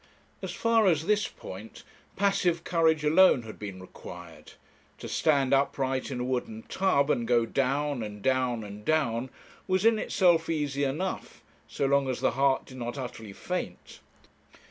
As far as this point passive courage alone had been required; to stand upright in a wooden tub and go down, and down, and down, was in itself easy enough, so long as the heart did not utterly faint.